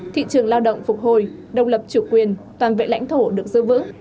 thị trường lao động phục hồi đồng lập chủ quyền toàn vệ lãnh thổ được giữ vững